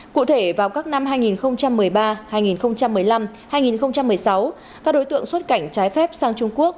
cụ thể vào các năm hai nghìn một mươi ba hai nghìn một mươi năm hai nghìn một mươi sáu các đối tượng xuất cảnh trái phép sang trung quốc